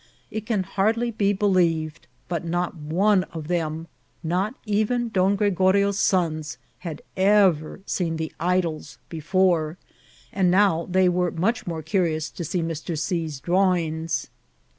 It can hardly be believed, but not one of them, not even Don Gregorio's sons, had ever seen the ^^ idols" before, and now they were much laore curious to see Mr. C.'s drawings.